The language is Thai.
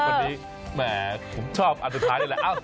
วันนี้แหมผมชอบอันสุดท้ายนี่แหละ